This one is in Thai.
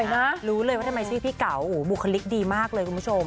ไม่คิดว่ามันเป็นแบบรุ่นใหม่แล้ว